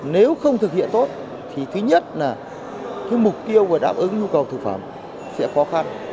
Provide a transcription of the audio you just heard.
nếu không thực hiện tốt thì thứ nhất là mục tiêu đáp ứng nhu cầu thực phẩm sẽ khó khăn